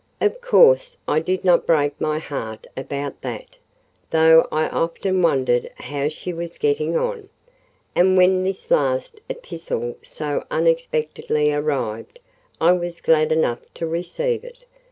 Of course, I did not break my heart about that, though I often wondered how she was getting on; and when this last epistle so unexpectedly arrived, I was glad enough to receive it.